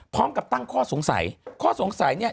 พร้อมกับตั้งข้อสงสัยข้อสงสัยเนี่ย